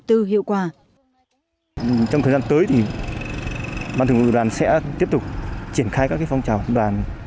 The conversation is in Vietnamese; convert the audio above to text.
tư hiệu quả trong thời gian tới thì ban thường hội của đoàn sẽ tiếp tục triển khai các phong trào